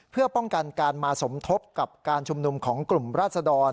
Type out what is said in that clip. เพื่อป้องกันการมาสมทบกับการชุมนุมของกลุ่มราศดร